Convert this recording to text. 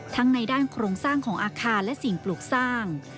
ในด้านโครงสร้างของอาคารและสิ่งปลูกสร้าง